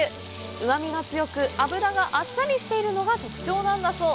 うまみが強く脂があっさりしているのが特徴なんだそう。